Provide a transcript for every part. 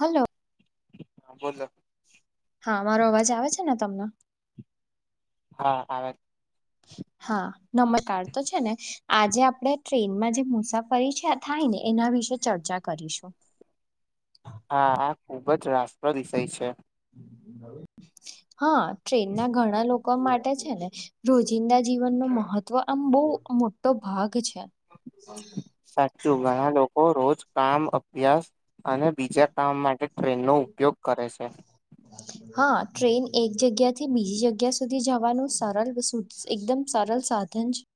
Hello. હા બોલો હા મારો અવાજ આવે છે ને તમને હા આવે. [inaudible] હા નમકાર તો છે ને આજે આપણે ટ્રેનમાં જે મુસાફરી છે થાય ને એના વિશે ચર્ચા કરીશું. હા આ ખુબ જ રાસ્પ વિષય છે. હ [unintelligible] હા ટ્રેન ના ઘણા લોકો માટે છે ને રોજિંદા જીવન નુ મહત્વ આમ બહ બ મોટો ભાગ છે સાચું ઘણા લોકો રોજ કામ અભ્યાસ અને બીજા કામ માટે ટ્રેનનો ઉપયોગ કરે છે. હા ટ્રેન એક જગ્યાથી બીજી જગ્યા સુધી જવાનું સરળ એકદમ સરળ સાધન દંજ- [unintelligible]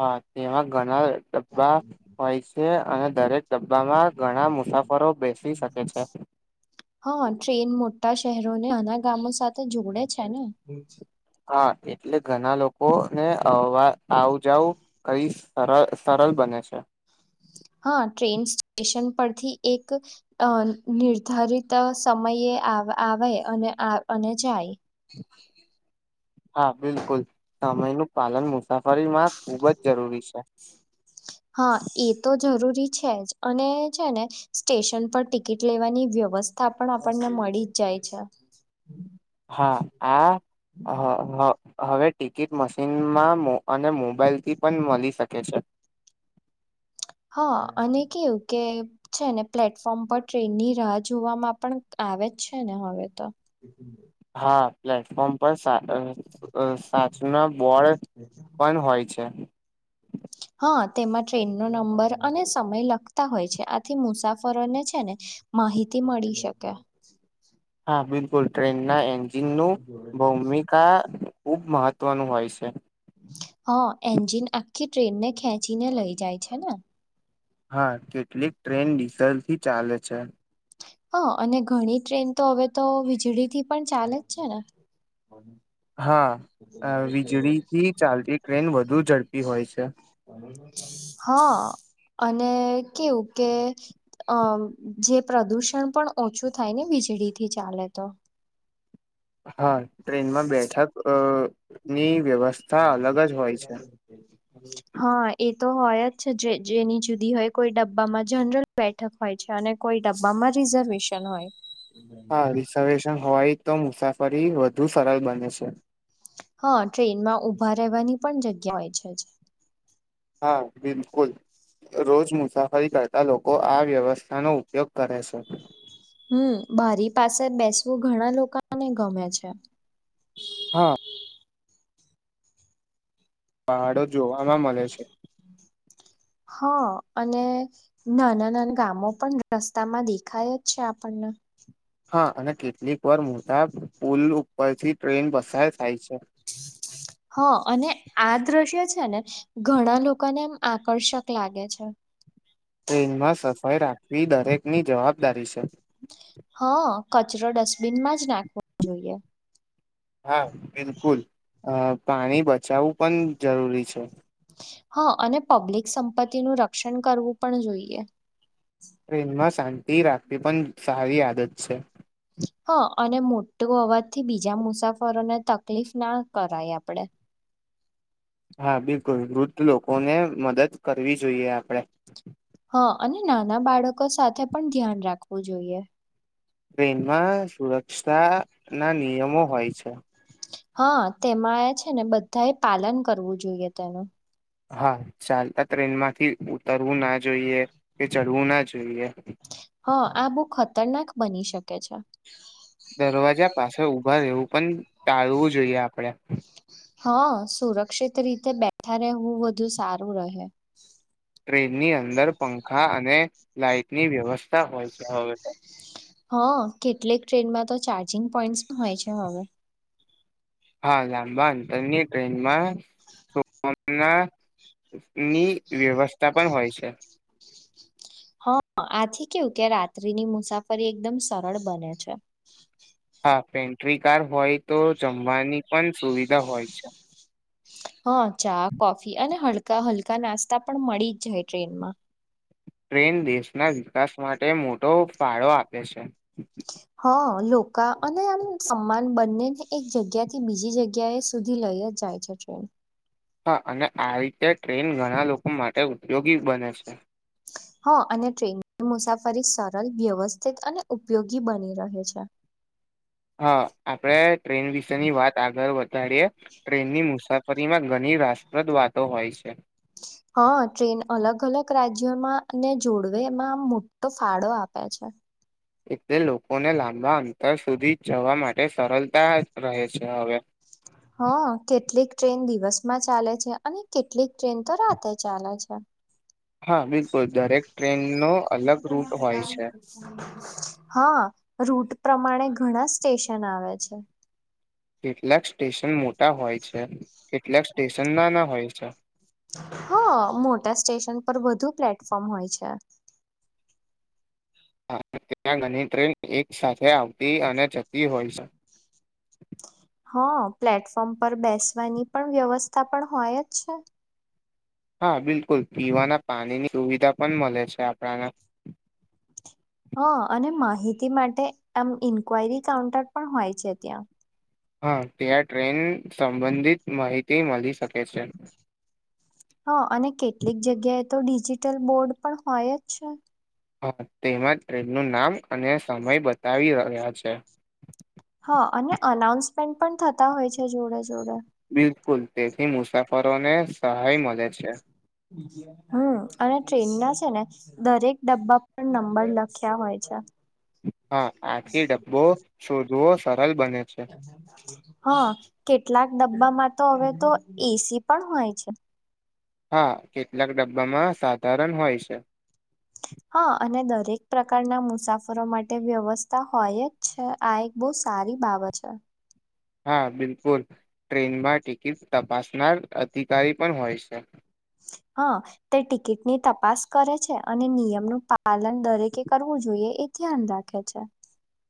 હા તેમાં ઘણા ડબ્બા હોય છે અને દરેક ડબ્બામાં ઘણા મુસાફરો બેસી શકે છે. હા ટ્રેન મોટા શહેરોને નાના ગામો સાથે જોડે છે ને. હા એટલે ઘણા લોકો ને અવા આવુ જાવુ કઈ સર સરળ બને છે [inaudible] હા ટ્રેન સ્ટેશન પરથી એક અ નિર્ધારિત સમયે આવે આવે અને અને જાય. હા બિલકુલ સમયનું પાલન મુસાફરી માં ખુબ જ જરૂરી છે. હા એ તો જરૂરી છે જ અને છે ને સ્ટેશન પર ટિકિટ લેવાની વ્ય વ્યવસ્થા પણ આપણને મળી જ જાય છે. હા આ હ હ. હવે ટિકિટ મશીનમાં મોં અને મોબાઈલથી પણ મળી શકે છે હા અને કેવું કે છે ને પ્લેટફોર્મ પર ટ્રેનની રાહ જોવામાં પણ આવે જ છે ને હવે તો. હા પ્લેટફોર્મ પર સાર અ સાચના બોળ પણ હોય છે. હા તેમાં ટ્રેનનો નંબર અને સમય લખતા હોય છે આથી મુસાફરોને છે ને માહિતી મળી શકે. હા બિલકુલ ટ્રેન ના એન્જિન નુ ભૂમિકા ખુબ મહત્વનું હોય છે. હ એન્જિન આખી ટ્રેનને ખેંચીને લઈ જાય છે ને. હા કેટલીક ટ્રેન ડીઝલ થી ચાલે છે. હા અને ઘણી ટ્રેન તો હવે તો વીજળીથી પણ ચાલે જ છે ને. [inaudible] હા અ વીજળી થી ચાલતી ટ્રેન વધુ ઝડપી હોય છે. હા અને કેવું કે અમ જે પ્રદુષણ પણ ઓછું થાય ને વીજળી થી ચાલે તો. હા ટ્રેનમાં બેઠક અ ની વ્યવસ્થા અલગ જ હોય છે હા એ તો હોય જ જેની જુદી હોય કોઈ ડબ્બામાં જનરલ બેઠક હોય છે અને કોઈ ડબ્બામાં જ રિઝર્વેશન હોય. હા રિઝર્વેશન હોય તો મુસાફરી વધુ સરળ બને છે. હા ટ્રેનમાં ઊભા રહેવાની પણ હોય છે જ. હા બિલકુલ. રોજ મુસાફરી કરતા લોકો આ વ્યવસ્થાનો ઉપયોગ કરે છે. હમ્મ, બારી પાસે બેસવું ઘણા લોકાને ગમે છે. હા. પહાડો જોવાવામાં મલે છે. હા અને નાના નાના ગામો પણ રસ્તામાં દેખાય જ છે આપન ને. હા અને કેટલીક વાર મોટા પુલ ઉપરથી ટ્રેન પસાર થાય છે. [inaudible] હા અને આ દ્રશ્ય છે ને ઘણા લોકોને એમ આકર્ષક લાગે છે. [inaudible] ટ્રેનમાં સફાઈ રાખવી દરેકની જવાબદારી છે. હઅ, કચરો ડસ્ટબિનમાં જ નાખવો જોઈએ. હા, બિલકુલ અહ પાણી બચાવવું પણ જરૂરી છે. હા અને પબ્લિક સંપત્તિનું રક્ષણ કરવું પણ જોઈએ. પ્રેમમાં શાંતિ રાખવી પણ સારી આદત છે. હા અને મોટો અવાજ થી બીજા મુસાફરોને તકલીફ ના કરાય આપડે. હા બિલકુલ વૃદ્ધ લોકો ને મદદ કરવી જોઈએ આપડે. હા અને નાના બાળકો સાથે પણ ધ્યાન રાખવું જોઈએ. ટ્રેનમાં સુરક્ષા ના નિયમો હોય છે. હા તેમાં એ છે ને બધા એ પાલન કરવું જોઈએ તેનું. હા ચાલતા ટ્રેન માંથી ઉતરવું ના જોઈએ કે ચડવું ના જોઈએ. હા આ બહુ ખતરનાક બની શકે છે. પર એવું પણ ટાળવું જોઈએ આપડે હા સુરક્ષિત રીતે બેઠા રહેવું વધુ સારું રહે. ટ્રેનની અંદર પંખા અને લાઈટની વ્યવસ્થા હોય છે હવે તો. હા કેટલીક ટ્રેનમાં તો ચાર્જિંગ પોઈન્ટસ પણ હોય છે હવે. હા લાંબા અંતરની ટ્રેનમાં સોના ની વ્યવસ્થા પણ હોય છે. હા, આથી કેવું કે રાત્રિની મુસાફરી એકદમ સરળ બને છે. [unintelligible] આ પેન્ટ્રી કાર હોય તો જમવાની પણ સુવિધા હોય છે. હા ચા કોફી અને હલકા હલકા નાસ્તા પણ મળી જ જાય ટ્રેનમાં. ટ્રેન દેશના વિકાસ માટે મોટો ફાળો આપે છે. હા લોકા અને આમ સમાન બંનેને એક જગ્યા થી બીજી જગ્યા એ સુધી લ ઈએ જાય છે ટ્રેન. હા અને આવી રીતે ટ્રેન ઘણા લોકો માટે ઉપદ્યોગી બને છે. હા અને ટ્રેનની મુસાફરી સરળ વ્યવસ્થિત અને ઉપયોગી બની રહે છે. [inaudible] હા આપડે ટ્રેન વિશેની વાત આગળ વધારીએ ટ્રેનની મુસાફર રીમાં ઘણી રાસપ્રદ વાતો હોય છે. હ [unintelligible] હા ટ્રેન અલગ અલગ રાજ્યોમાંને જોડવે એમાં આમ મોટો ફાળો આપે છે. એટલે લોકોને લાંબા અંતર સુધી જવા માટે સરળતા રહે છે હવે. હા કેટલીક ટ્રેન દિવસમાં ચાલે છે અને કેટલીક ટ્રેન તો રાતે ચાલે છે. હા બિલકુલ દરેક ટ્રેનનો અલગ રૂટ હોય છે. હ હા. રૂટ પ્રમાણે ઘણા સ્ટેશન આવે છે. કેટલાક સ્ટેશન મોટા હોય છે. કેટલાક સ્ટેશન નાના હોય છે. હા મોટા સ્ટેશન પર વધુ પ્લેટફોર્મ હોય છે. ત્યાં ગણી ટ્રેન એક સાથે આવતી અને જતી હોય છે. હ હં પ્લેટફોર્મ પર બેસવાની પણ વ્યવસ્થા પણ હોય જ છે. હાં, બિલકુલ પીવાના પાણીની સુવિધા પન મલે છે આપણાને હં અને માહિતી માટે આમ ઇન્ક્વાયરી કાઉન્ટર પણ હોય છે ત્યાં હાં ત્યાં ટ્રેન સંબંધિત માહિતી મલી શકે છે. હાં અને કેટલીક જગ્યાએ તો ડિજિટલ બોર્ડ પણ હોય જ છે. હા તેમાં ટ્રેનનું નામ અને સમય બતાવી રહ્યા છે. હા અને અનાઉન્સમેન્ટ પણ થતા હોય છે જોડે જોડે બિલકુલ તેથી મુસાફરોને સહાય મલે છે. હમ્મ અને ટ્રેનના છે ને દરેક ડબ્બા પર નંબર લખ્યા હોય ચ્છા. હા આથી ડબ્બો શોધવો સર હાં, કેટલાક ડબ્બામાં તો અવે તો એ સી પણ હોય છે. હા કેટલાક ડબ્બામાં સાધારન હોય છે. હા અને દરેક પ્રકારના મુસાફરો માટે વ્યવસ્થા હોય જ છે આ એક બઉ સ સારી બાવત છે. હા બિલકુલ ટ્રેનમાં ટિકિટ તપાસનાર અધિકારી પણ હોય છે. હાં તે ટિકિટની તપાસ કરે છે અને નિયમનું પા પાલન દરેકે કરવું જોઈએ એ ધ્યાન રાખે છે.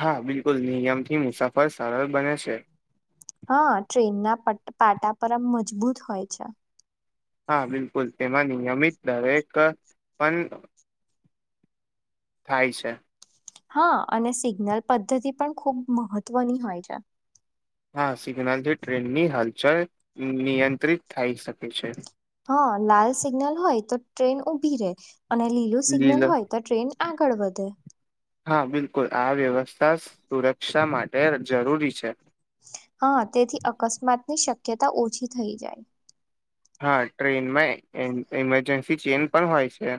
હા, બિલકુલ નિયમથી મુસાફર સરલ બને છે. હાં, ટ્રેનના પટ પાટા પર આમ મજબૂત હોય છે. હાં બિલકુલ તેમાં નિયમિત દર એક પન થાય છે. હાં અને સિગ્નલ પદ્ધતિ પણ ખૂબ મહત્વની હોય છે. હાં સિગ્નલથી ટ્રેનની હાલચલ નિ નિયંત્રિત થાઇ શકે છે. હં લાલ સિગ્નલ હોય તો ટ્રેન ઊભી રે અને લીલું સિગ્નલ જી હોય તો ટ્રેન આગળ વધે. હા બિલકુલ [unintelligible] સુરક્ષા માટે જરૂરી છે. ની શક્યતા ઓછી થઈ જાય. હા ટ્રેનમાં એ એન ઇમરજન્સી ચેઇન પણ હોય છે.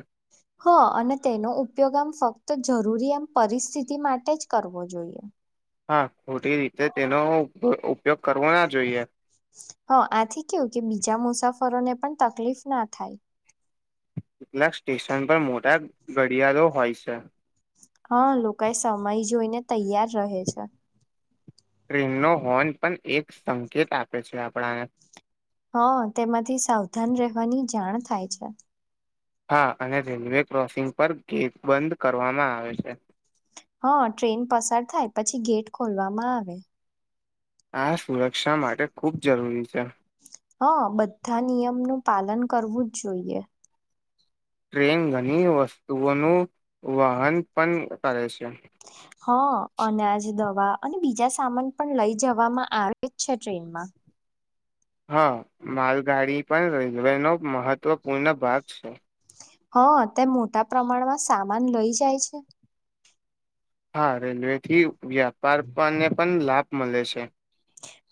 હં અને તેનો ઉપયોગ આમ ફક્ત જરૂરી આમ પરિસ્થિતિ માટે જ કરવો જોઈએ. હાં ખોટી રીતે તેનો ઉપ ઉપયોગ કરવો ના જોઈએ. હં આથી કેવું કે બીજા મુસાફરોને પન તકલીફ ના થાય. કેટલાક સ્ટેશન પર મોટા ઘડિયાળો હોય છે. હાં લોકા એ સમય જોઈને તૈયાર રહે છે. ટ્રેનનો હોર્ન પન એક સંકેત આપે છે આપણાને. હં તેમાંથી સાવધાન રહેવાની જાણ થાય છે. હા અને રેલવે ક્રોસિંગ પર ગેટ બંધ કરવામાં આવે છે. હં ટ્રેન પસાર થાય પછી ગેટ ખોલવામાં આવે. આ સુરક્ષા માટે ખુબ જરૂરી છે. હં બધા નિયમનું પાલન કરવું જ જોઈએ. ટ્રેન ઘની વસ્તુઓનું વહન પન કરે છે. [inaudible] હં અનાજ દવા અને બીજા સામાન પણ લઈ જવામાં આ [unintelligible] જ છે ટ્રેનમાં. હા, માલગાડી પણ રેલવેનો મહત્વપૂર્ણ ભાગ છે. હં તે મોટા પ્રમાણમાં સામાન લઈ જાય છે. હાં રેલવે થી વ્યાપાર પનને પન લાભ મલે છે.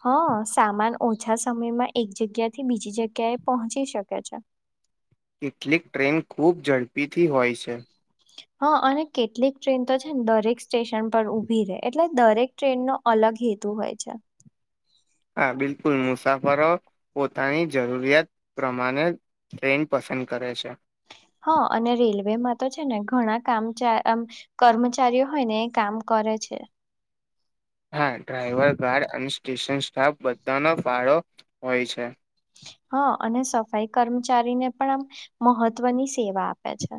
હં સામાન ઓછા સમયમાં એક જગ્યા થી બીજી જગ્યા એ પહોંચી શકે છે. [inaudible] કેટલીક ટ્રેન ખુબ ઝડપીથી હોય છે. હા અને કેટલીક ટ્રેન તો છે ન દરેક સ્ટેશન પર ઉભી રે એટલે દરેક ટ્રેનનો અલગ અલગ હેતુ હોય છે. હા બિલકુલ મુસાફરો પોતાની જરૂરિયાત પ્રમાણે ટ્રેન પસ સંદ કરે છે. [inaudible] હા અને રેલવેમાં તો છે ને ઘણા કામચા આમ કર્મચારીઓ હોય ને એ કામ કરે છે. [inaudible] હા ડ્રાઈવર ગાર્ડ અને સ્ટેશન સ્ટાફ બધાનો પાળો હોય છે. [inaudible] હા અને સફાઈ કર્મચારીને પણ આમ મહત્વની સેવા આપે છે.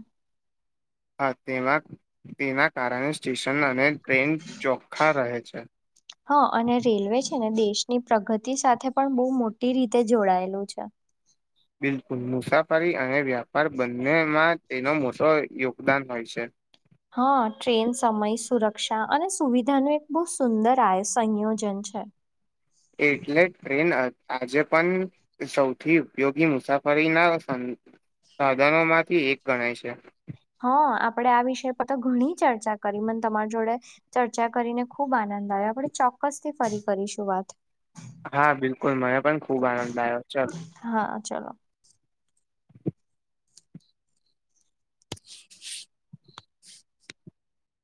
હા તેમાં તેના કારણે સ્ટેશન અને ટ્રેન ચોખ્ખા રહે છે. હા અને રેલવે છે ને દેશની પ્રગતિ સાથે પણ બહુ મોટી રીતે જોડાયેલું છે. બિલકુલ મુસાફરી અને વ્યાપાર બંનેમાં એનો મોટો યોગદાન હોય છે. હા ટ્રેન સમય સુરક્ષા અને સુવિધા નુ એક બહુ સુંદર આય સંયોજન છે. છે. એટલે ટ્રેન અ આજે પણ સૌથી ઉપયોગી મુસાફરીના સાધનો માંથી એક ગણાય છે. હ આપડે આ વિષય પર તો ઘણી ચર્ચા કરી મને તમારી જોડે ચર્ચા કરીને ખુબ આનંદ નયા આપણે ચોક્કસ થી ફરી કરીશું વાત. હા બિલકુલ મને પણ ખુબ આનંદ આયો ચલ. હા ચલો.